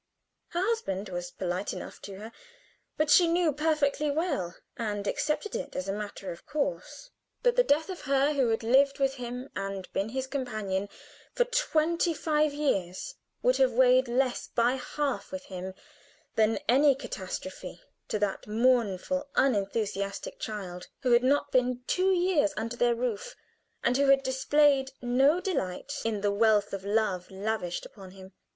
Her husband was polite enough to her; but she knew perfectly well, and accepted it as a matter of course, that the death of her who had lived with him and been his companion for twenty five years would have weighed less by half with him than any catastrophe to that mournful, unenthusiastic child, who had not been two years under their roof, and who displayed no delight in the wealth of love lavished upon him.